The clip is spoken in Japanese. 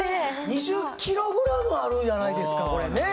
２０ｋｇあるじゃないですかこれね。